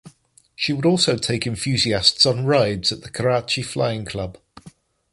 She would also take flying enthusiasts on rides at the Karachi flying club.